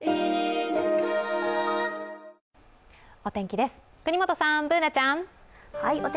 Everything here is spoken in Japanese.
お天気です、國本さん、Ｂｏｏｎａちゃん。